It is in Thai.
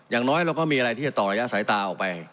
อย่างน้อยเราก็มีอะไรที่จะต่อระยะสายตาออกไป